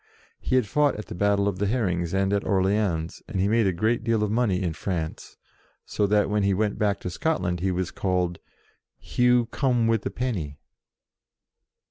He had fought at the Battle of the Herrings and at Orleans, and he made a good deal of money in France, so that, when he went back to Scotland, he was called "Hugh come wi' the Penny."